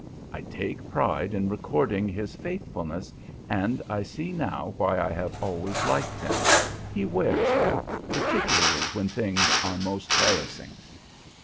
I take pride in recording his faithfulness, and I see now why I have always liked him. He wears well, particularly when things are most harassing.